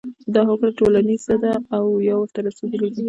دا هوکړه ټولیزه ده او یا ورته رسیدلي دي.